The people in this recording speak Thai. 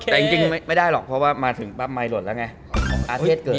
แต่จริงไม่ได้หรอกเพราะว่ามาถึงบัตรไหมลงหลวนแล้วไง